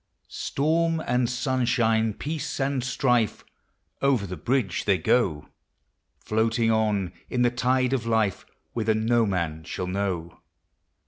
Storm and sunshine, peace and strife, Over the bridge they go ; Floating on in the tide of life, Whither no man shall know.